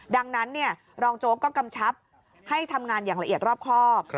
ดังนั้นรองโจ๊กก็กำชับให้ทำงานอย่างละเอียดรอบครอบ